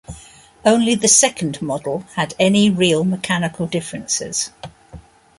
Only the second model had any real mechanical differences.